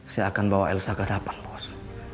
saya akan bawa elsa ke depan bos